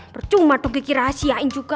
percuma dong kikirasiain juga